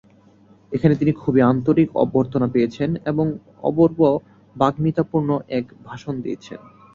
এখানে তিনি খুবই আন্তরিক অভ্যর্থনা পেয়েছেন এবং অপূর্ব বাগ্মিতাপূর্ণ এক ভাষণ দিয়েছেন।